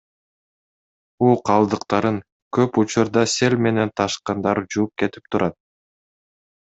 Уу калдыктарын көп учурда сел менен ташкындар жууп кетип турат.